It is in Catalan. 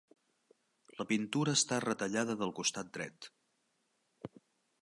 La pintura està retallada del costat dret.